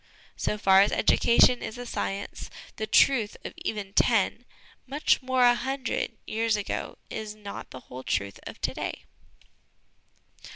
" So far as education is a science, the truth of even ten much more, a hundred years ago is not the whole truth of to day.